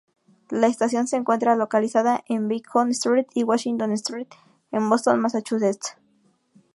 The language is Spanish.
La estación se encuentra localizada en Beacon Street y Washington Street en Boston, Massachusetts.